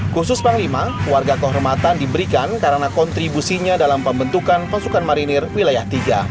khusus panglima warga kehormatan diberikan karena kontribusinya dalam pembentukan pasukan marinir wilayah tiga